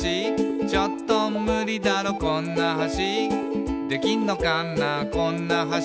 「ちょっとムリだろこんな橋」「できんのかなこんな橋」